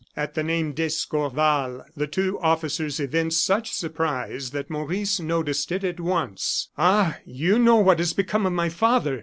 At the name "d'Escorval," the two officers evinced such surprise that Maurice noticed it at once. "Ah! you know what has become of my father!"